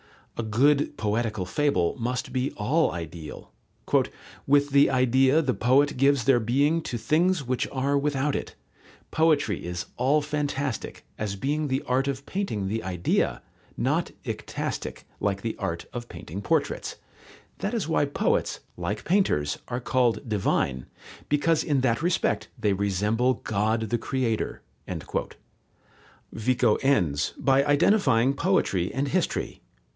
A good poetical fable must be all ideal: "With the idea the poet gives their being to things which are without it. Poetry is all fantastic, as being the art of painting the idea, not icastic, like the art of painting portraits. That is why poets, like painters, are called divine, because in that respect they resemble God the Creator." Vico ends by identifying poetry and history.